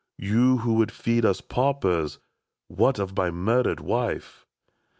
You, who would feast us paupers. What of my murdered wife !